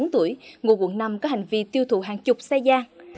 sáu mươi bốn tuổi ngụ quận năm có hành vi tiêu thụ hàng chục xe gian